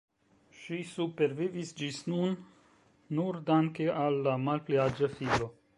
Ŝi supervivis ĝis nun nur danke al la malpli aĝa filo.